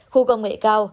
khu công nghệ cao